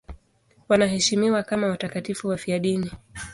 Wanaheshimiwa kama watakatifu wafiadini.